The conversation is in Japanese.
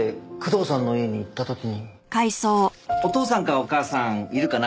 お父さんかお母さんいるかな？